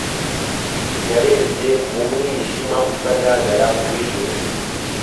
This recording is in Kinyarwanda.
yarebye mu mwijima utagaragara w'ijuru